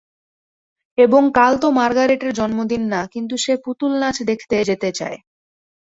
এবং কাল তো মার্গারেটের জন্মদিন না, কিন্তু সে পুতুলনাচ দেখতে যেতে চায়।